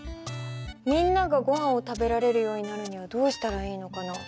みんながごはんを食べられるようになるにはどうしたらいいのかな？